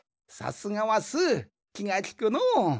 さすがはスーきがきくのう。